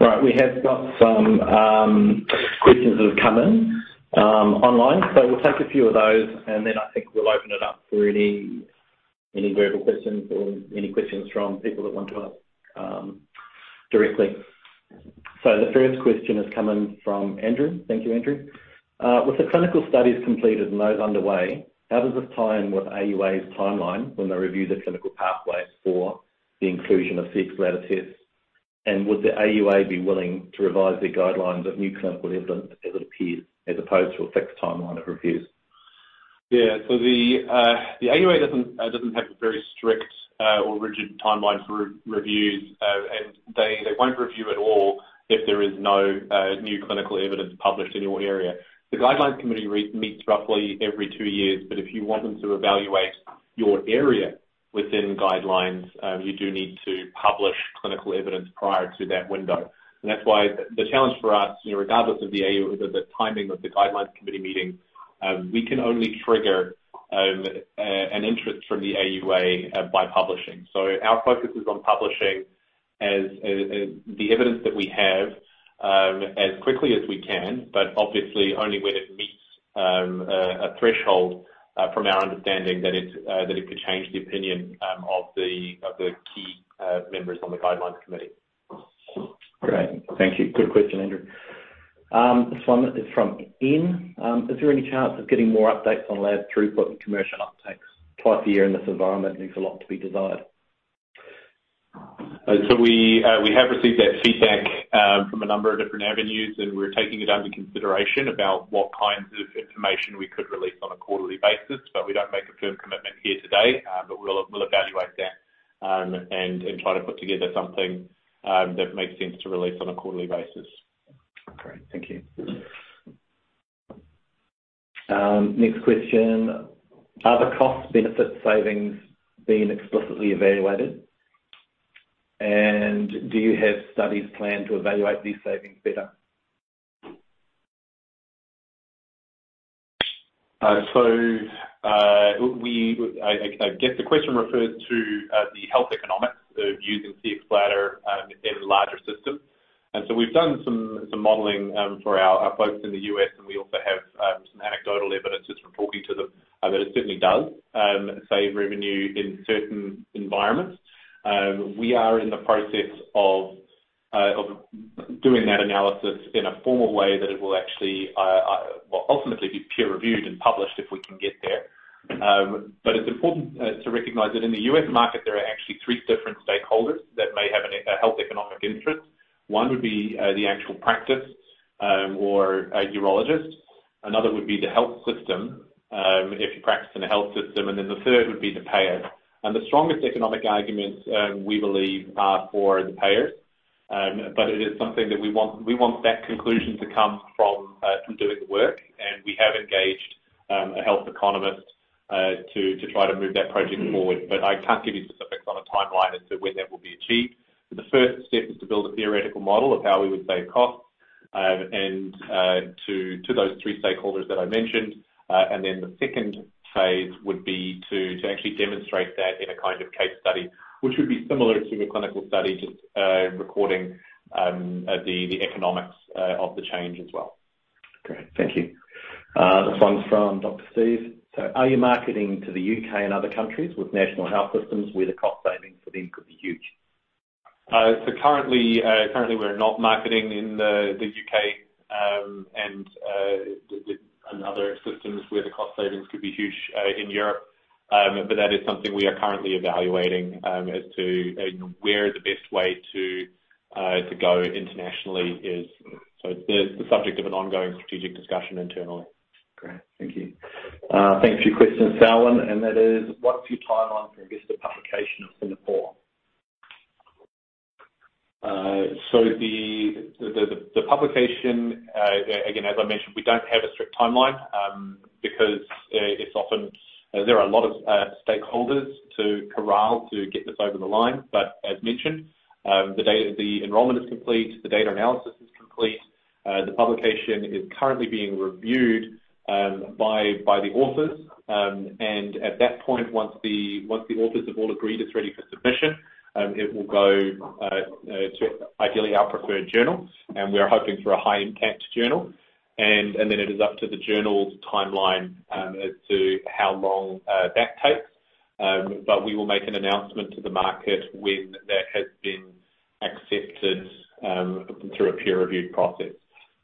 Right. We have got some questions that have come in online. We'll take a few of those, and then I think we'll open it up for any verbal questions or any questions from people that want to ask directly. The first question has come in from Andrew. Thank you, Andrew. With the clinical studies completed and those underway, how does this tie in with AUA's timeline when they review the clinical pathway for the inclusion of Cxbladder tests? And would the AUA be willing to revise their guidelines of new clinical evidence as it appears, as opposed to a fixed timeline of reviews? Yeah. The AUA doesn't have a very strict or rigid timeline for reviews, and they won't review at all if there is no new clinical evidence published in your area. The guidelines committee re-meets roughly every two years, but if you want them to evaluate your area within guidelines, you do need to publish clinical evidence prior to that window. That's why the challenge for us, you know, regardless of the timing of the guidelines committee meeting, we can only trigger an interest from the AUA by publishing. Our focus is on publishing the evidence that we have as quickly as we can, but obviously only when it meets a threshold from our understanding that it could change the opinion of the key members on the guidelines committee. Great. Thank you. Good question, Andrew. This one is from Ian. Is there any chance of getting more updates on lab throughput and commercial uptakes twice a year in this environment? Leaves a lot to be desired. We have received that feedback from a number of different avenues, and we're taking it under consideration about what kinds of information we could release on a quarterly basis. We don't make a firm commitment here today, but we'll evaluate that, and try to put together something that makes sense to release on a quarterly basis. Great. Thank you. Next question. Are the cost benefit savings being explicitly evaluated? Do you have studies planned to evaluate these savings better? I guess the question refers to the health economics of using Cxbladder in larger systems. We've done some modeling for our folks in the U.S., and we also have some anecdotal evidence just from talking to them that it certainly does save revenue in certain environments. We are in the process of doing that analysis in a formal way that it will actually well, ultimately be peer-reviewed and published if we can get there. It's important to recognize that in the U.S. market, there are actually three different stakeholders that may have a health economic interest. One would be the actual practice or a urologist. Another would be the health system, if you practice in a health system, and then the third would be the payer. The strongest economic arguments we believe are for the payer, but it is something that we want that conclusion to come from doing the work. We have engaged a health economist to try to move that project forward. I can't give you specifics on a timeline as to when that will be achieved. The first step is to build a theoretical model of how we would save costs, and to those three stakeholders that I mentioned. The second phase would be to actually demonstrate that in a kind of case study, which would be similar to the clinical study, just recording the economics of the change as well. Great. Thank you. This one's from Dr. Steve. Are you marketing to the UK and other countries with national health systems where the cost savings for them could be huge? Currently, we're not marketing in the UK and other systems where the cost savings could be huge in Europe. That is something we are currently evaluating as to where the best way to go internationally is. It's the subject of an ongoing strategic discussion internally. Great. Thank you. Thank you for your question, Falwin. That is, what's your timeline for investor publication of Singapore? The publication, again, as I mentioned, we don't have a strict timeline because it's often, there are a lot of stakeholders to corral to get this over the line. As mentioned, the enrollment is complete, the data analysis is complete. The publication is currently being reviewed by the authors. At that point, once the authors have all agreed it's ready for submission, it will go to, ideally, our preferred journal, and we are hoping for a high-impact journal. Then it is up to the journal's timeline as to how long that takes. We will make an announcement to the market when that has been accepted through a peer-review process.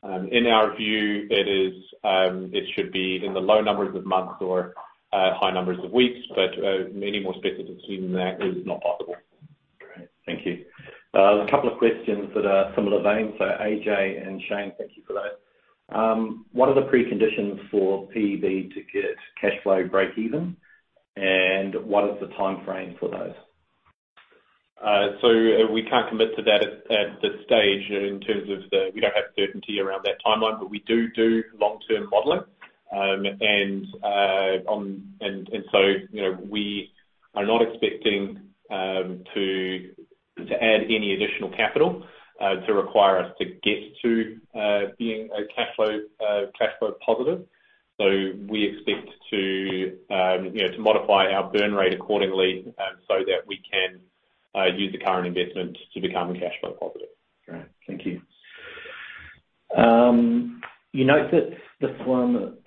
In our view, it should be in the low numbers of months or high numbers of weeks, but any more specific than that is not possible. Great. Thank you. A couple of questions that are similar vein. AJ and Shane, thank you for those. What are the preconditions for PEB to get cash flow breakeven? What is the timeframe for those? We can't commit to that at this stage in terms of we don't have certainty around that timeline, but we do long-term modeling. You know, we are not expecting to add any additional capital to require us to get to being cash flow positive. We expect to, you know, modify our burn rate accordingly so that we can use the current investment to become cash flow positive. Great. Thank you.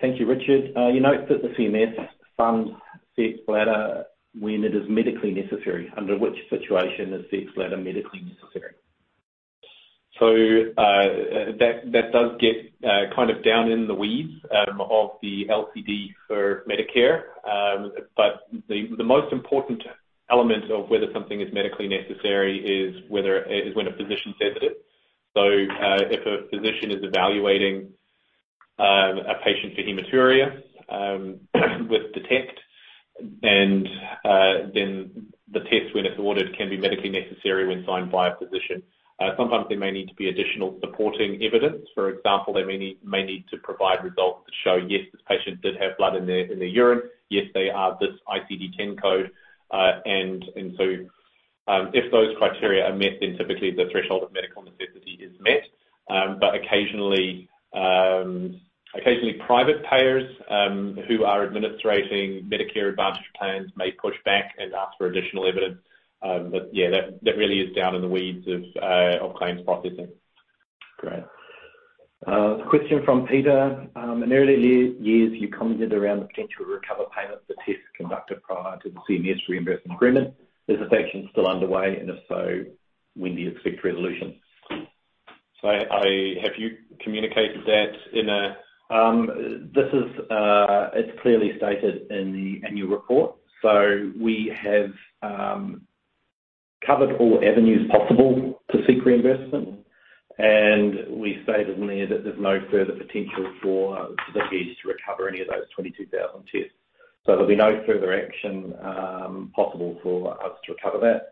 Thank you, Richard. You note that the CMS funds Cxbladder when it is medically necessary. Under which situation is Cxbladder medically necessary? That does get kind of down in the weeds of the LCD for Medicare. The most important element of whether something is medically necessary is when a physician says it. If a physician is evaluating a patient for hematuria with Detect, and then the test, when it is ordered, can be medically necessary when signed by a physician. Sometimes there may need to be additional supporting evidence. For example, they may need to provide results that show, yes, this patient did have blood in their urine. Yes, they are this ICD-10 code. If those criteria are met, then typically the threshold of medical necessity is met. Occasionally, private payers who are administering Medicare Advantage plans may push back and ask for additional evidence. Yeah, that really is down in the weeds of claims processing. Great. Question from Peter. In earlier years, you commented around the potential to recover payments for tests conducted prior to the CMS reimbursement agreement. Is this action still underway? If so, when do you expect resolution? I have communicated that. It is clearly stated in the annual report. We have covered all avenues possible to seek reimbursement, and we stated in there that there's no further potential for the fees to recover any of those 22,000 tests. There'll be no further action possible for us to recover that.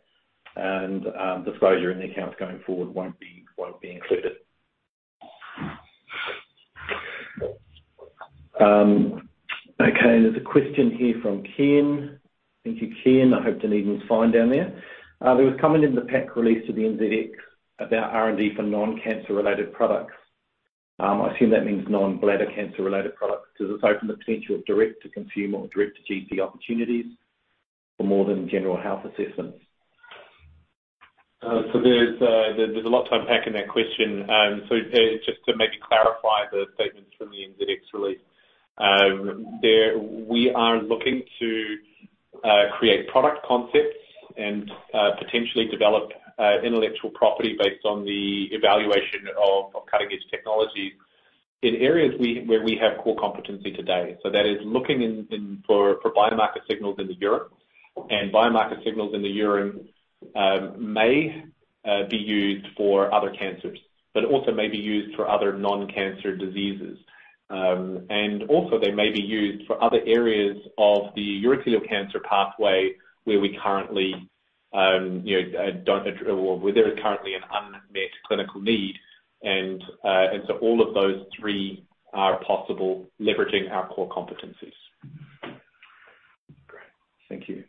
Disclosure in the accounts going forward won't be included. Okay. There's a question here from Ken. Thank you, Ken. I hope Dunedin's fine down there. There was a comment in the Pacific Edge release to the NZX about R&D for non-cancer-related products. I assume that means non-bladder cancer related products. Does this open the potential of direct to consumer or direct to GC opportunities for more than general health assessments? There's a lot to unpack in that question. Just to maybe clarify the statements from the NZX release. We are looking to create product concepts and potentially develop intellectual property based on the evaluation of cutting-edge technology in areas where we have core competency today. That is looking for biomarker signals in the urine, and biomarker signals in the urine may be used for other cancers. Also may be used for other non-cancer diseases. They may be used for other areas of the urothelial cancer pathway where we currently you know or where there is currently an unmet clinical need, and all of those three are possible leveraging our core competencies. Great. Thank you.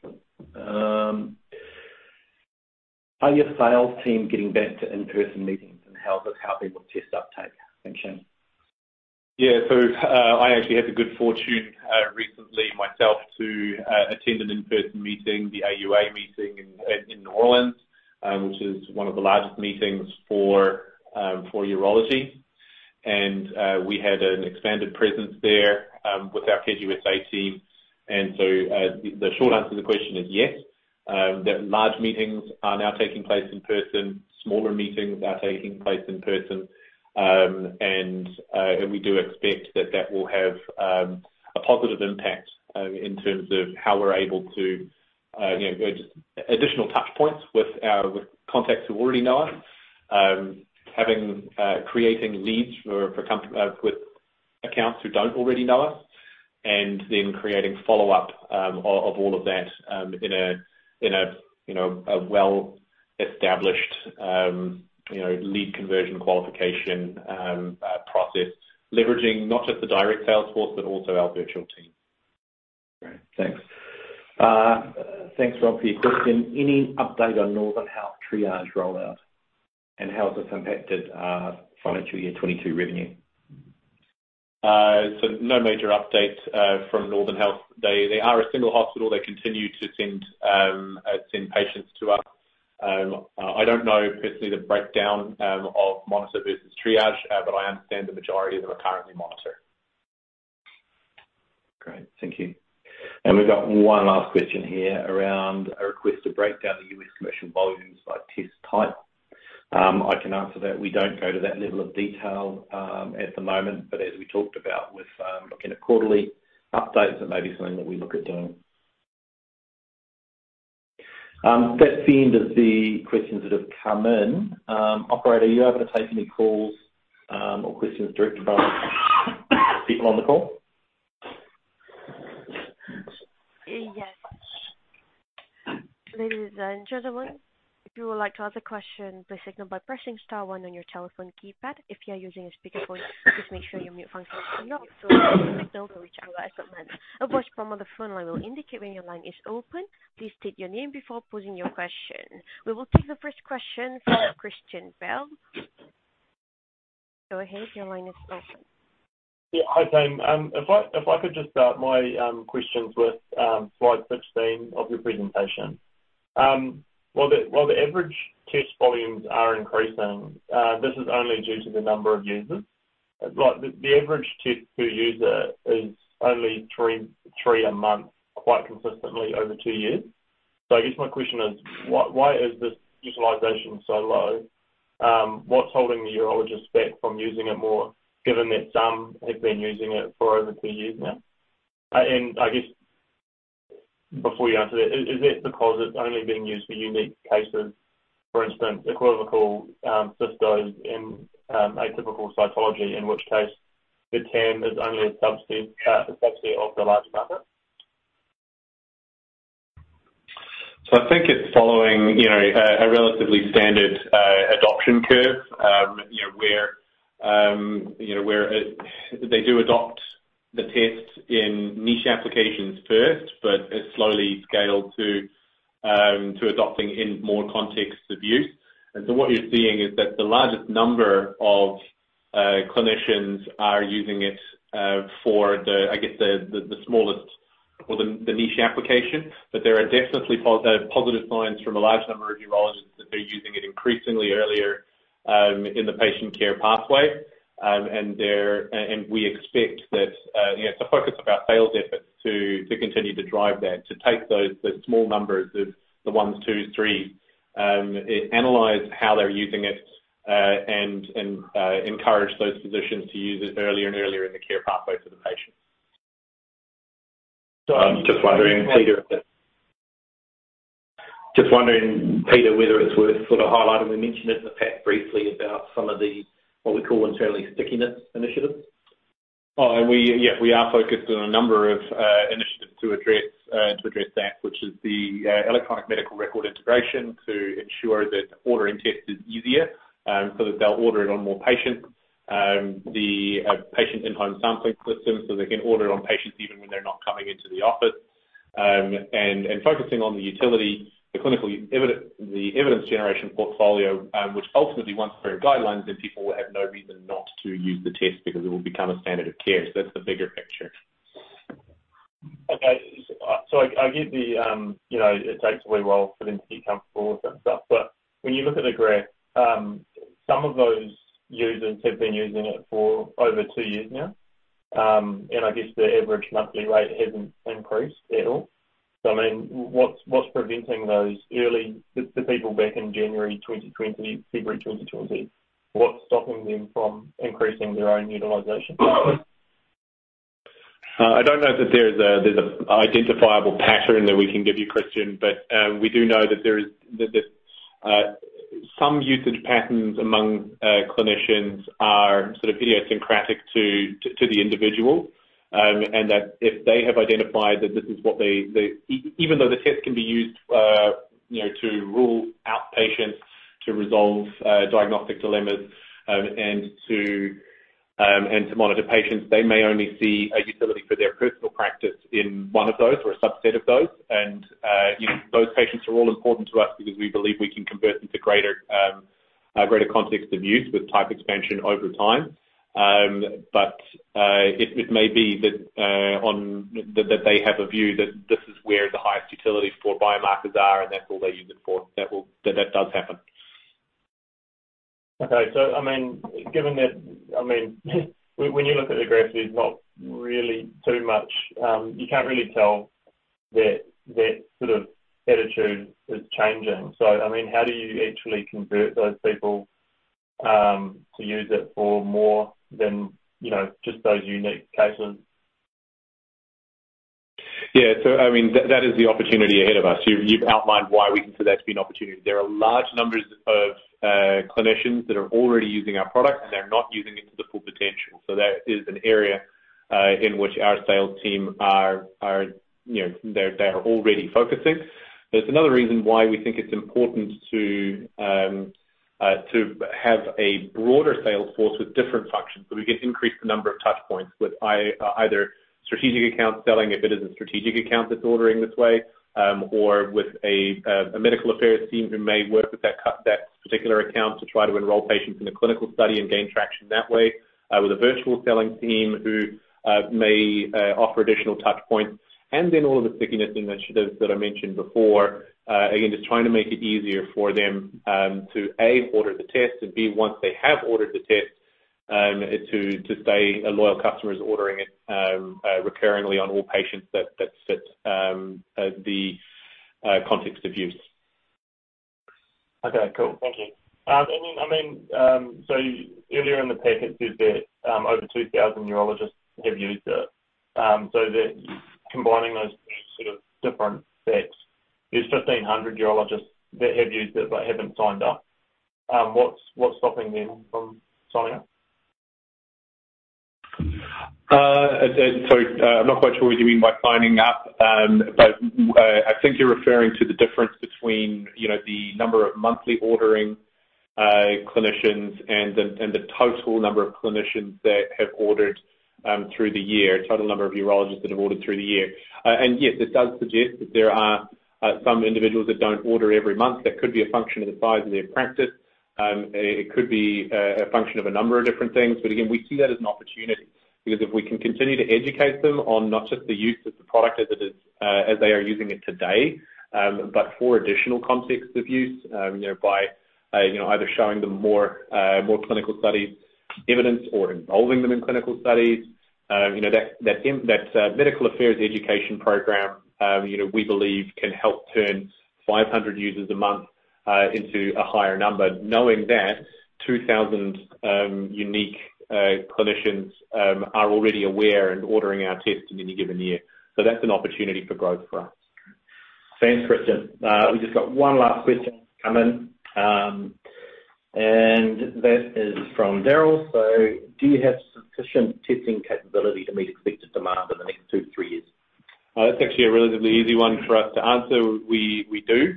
Are your sales team getting back to in-person meetings, and how is this helping with test uptake? Thanks, Shane. Yeah, I actually had the good fortune recently myself to attend an in-person meeting, the AUA meeting in New Orleans, which is one of the largest meetings for urology. We had an expanded presence there with our KGS-I team. The short answer to the question is yes. That large meetings are now taking place in person. Smaller meetings are taking place in person. We do expect that will have a positive impact in terms of how we're able to you know just additional touch points with contacts who already know us. Having creating leads for comp... with accounts who don't already know us, and then creating follow-up of all of that, in a you know a well-established you know lead conversion qualification process. Leveraging not just the direct sales force but also our virtual team. Great. Thanks. Thanks, Rob, for your question. Any update on Northern Health Triage rollout, and how has this impacted financial year 22 revenue? No major updates from Northern Health. They are a single hospital. They continue to send patients to us. I don't know personally the breakdown of monitor versus triage, but I understand the majority of them are currently monitor. Great. Thank you. We've got one last question here around a request to break down the US accession volumes by test type. I can answer that. We don't go to that level of detail at the moment, but as we talked about with looking at quarterly updates, that may be something that we look at doing. That's the end of the questions that have come in. Operator, are you able to take any calls or questions directly from people on the call? Yes. Ladies and gentlemen, if you would like to ask a question, please signal by pressing star one on your telephone keypad. If you are using a speakerphone, please make sure your mute function is off so that other people can hear you at that moment. A voice prompt on the phone line will indicate when your line is open. Please state your name before posing your question. We will take the first question from Christian Bell. Go ahead, your line is open. Yeah. Hi, team. If I could just start my questions with slide 16 of your presentation. While the average test volumes are increasing, this is only due to the number of users. Like, the average test per user is only 3 a month quite consistently over two years. I guess my question is why is this utilization so low? What's holding the urologists back from using it more, given that some have been using it for over two years now? I guess before you answer that, is that because it's only being used for unique cases? For instance, equivocal cystos and atypical cytology, in which case the TAM is only a subset of the larger market. I think it's following, you know, a relatively standard adoption curve. You know, where they do adopt the test in niche applications first, but it's slowly scaled to adopting in more contexts of use. What you're seeing is that the largest number of clinicians are using it for the, I guess the smallest or the niche application. There are definitely positive signs from a large number of urologists that they're using it increasingly earlier in the patient care pathway. We expect that, you know, it's a focus of our sales efforts to continue to drive that. To take those small numbers of the ones, twos, threes, analyze how they're using it, and encourage those physicians to use it earlier and earlier in the care pathway for the patient. I'm just wondering, Peter- Just wondering, Peter, whether it's worth sort of highlighting. We mentioned it in the past briefly about some of the what we call internally stickiness initiatives. Yeah. We are focused on a number of initiatives to address that. Which is the electronic medical record integration to ensure that ordering tests is easier, so that they'll order it on more patients. The patient in-home sampling system so they can order it on patients even when they're not coming into the office. And focusing on the utility, the evidence generation portfolio, which ultimately once through guidelines, then people will have no reason not to use the test because it will become a standard of care. That's the bigger picture. I get the, you know, it takes a while for them to get comfortable with that stuff. When you look at the graph, some of those users have been using it for over two years now. I guess the average monthly rate hasn't increased at all. I mean, what's preventing the people back in January 2020, February 2020, from increasing their own utilization? I don't know that there's an identifiable pattern that we can give you, Christian, but we do know that some usage patterns among clinicians are sort of idiosyncratic to the individual, and that if they have identified that this is what they even though the test can be used, you know, to rule out patients, to resolve diagnostic dilemmas, and to monitor patients, they may only see a utility for their personal practice in one of those or a subset of those. You know, those patients are all important to us because we believe we can convert them to greater context of use with type expansion over time. It may be that they have a view that this is where the highest utility for biomarkers are, and that's all they use it for. That does happen. Okay. I mean, given that I mean, when you look at the graph, there's not really too much. You can't really tell that sort of attitude is changing. I mean, how do you actually convert those people to use it for more than, you know, just those unique cases? Yeah. I mean, that is the opportunity ahead of us. You've outlined why we consider that to be an opportunity. There are large numbers of clinicians that are already using our product, and they're not using it to the full potential. That is an area in which our sales team are, you know, they're already focusing. There's another reason why we think it's important to have a broader sales force with different functions, so we can increase the number of touch points with either strategic account selling, if it is a strategic account that's ordering this way, or with a medical affairs team who may work with that particular account to try to enroll patients in a clinical study and gain traction that way, with a virtual selling team who may offer additional touch points, and then all of the stickiness initiatives that I mentioned before. Again, just trying to make it easier for them to A, order the test, and B, once they have ordered the test, to stay a loyal customer who's ordering it recurringly on all patients that fit the context of use. Okay. Cool. Thank you. I mean, so earlier in the deck, it says that over 2,000 urologists have used it. Combining those two sort of different sets, there's 1,500 urologists that have used it but haven't signed up. What's stopping them from signing up? I'm not quite sure what you mean by signing up. I think you're referring to the difference between, you know, the number of monthly ordering clinicians and the total number of clinicians that have ordered through the year, total number of urologists that have ordered through the year. Yes, this does suggest that there are some individuals that don't order every month. That could be a function of the size of their practice. It could be a function of a number of different things. Again, we see that as an opportunity because if we can continue to educate them on not just the use of the product as it is, as they are using it today, but for additional context of use, you know, by, you know, either showing them more clinical studies, evidence or involving them in clinical studies, you know, that medical affairs education program, you know, we believe can help turn 500 users a month into a higher number, knowing that 2,000 unique clinicians are already aware and ordering our tests in any given year. That's an opportunity for growth for us. Thanks, Christian. We just got one last question come in, and that is from Daryl. Do you have sufficient testing capability to meet expected demand in the next 2-3 years? That's actually a relatively easy one for us to answer. We do.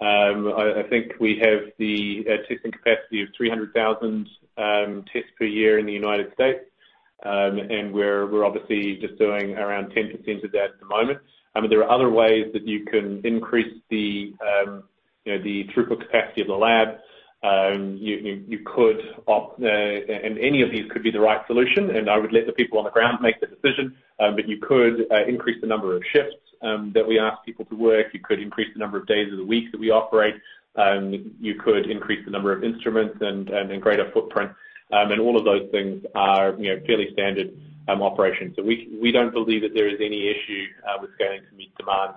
I think we have a testing capacity of 300,000 tests per year in the United States. We're obviously just doing around 10% of that at the moment. I mean, there are other ways that you can increase you know, the throughput capacity of the lab. You could opt and any of these could be the right solution, and I would let the people on the ground make the decision. You could increase the number of shifts that we ask people to work. You could increase the number of days of the week that we operate. You could increase the number of instruments and greater footprint. All of those things are, you know, fairly standard operations. We don't believe that there is any issue with scaling to meet demand,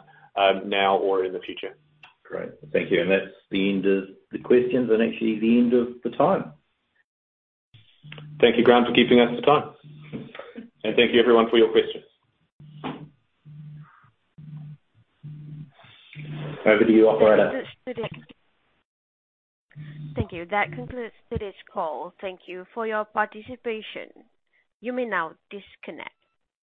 now or in the future. Great. Thank you. That's the end of the questions and actually the end of the time. Thank you, Grant, for keeping up with the time. Thank you everyone for your questions. Over to you, operator. Thank you. That concludes today's call. Thank you for your participation. You may now disconnect.